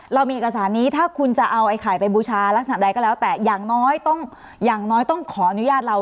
เรามีเอกสารนี้ถ้าคุณจะเอาไอ้ไข่ไปบูชาลักษณะใดก็แล้วแต่อย่างน้อยต้องอย่างน้อยต้องขออนุญาตเรา